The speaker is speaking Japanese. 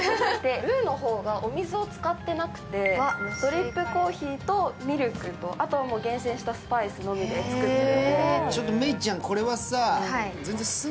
ルーの方がお水を使ってなくて、ミルクと、あとは厳選したスパイスのみで作っていて。